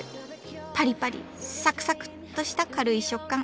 パリパリサクサクッとした軽い食感。